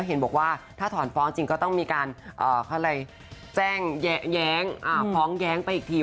เห็นบอกว่าถ้าถ่อนฟ้องจริงก็ต้องมีการแจ้งแย้งฟ้องแย้ง